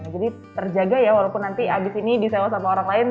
jadi terjaga ya walaupun nanti abis ini disewa sama orang lain